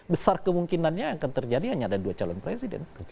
besar kemungkinannya yang akan terjadi hanya ada dua calon presiden